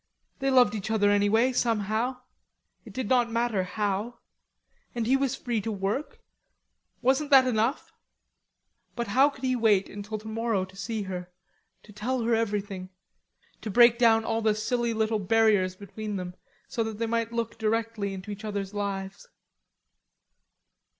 They loved each other anyway, somehow; it did not matter how. And he was free to work. Wasn't that enough? But how could he wait until tomorrow to see her, to tell her everything, to break down all the silly little barriers between them, so that they might look directly into each other's lives?